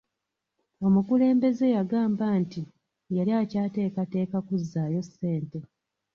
Omukulembeze yagamba nti yali akyateekateeka kuzzaayo ssente.